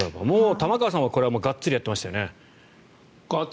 玉川さんはこれはがっつりやってましたよね。